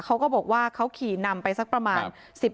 เขาก็บอกว่าเขาขี่นำไปสักประมาณ